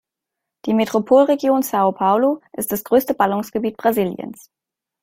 Die Metropolregion São Paulo ist das größte Ballungsgebiet Brasiliens.